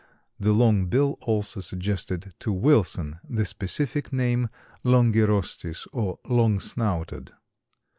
The long bill also suggested to Wilson the specific name longirostris or long snouted.